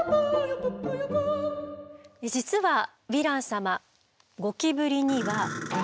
実はヴィラン様ゴキブリには。